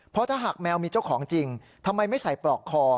เพราะถ้าหากแมวมีเจ้าของจริงทำไมไม่ใส่ปลอกคอ